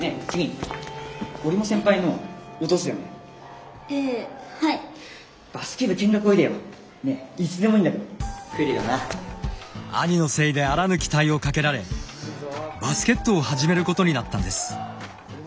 兄のせいであらぬ期待をかけられバスケットを始めることになったんです。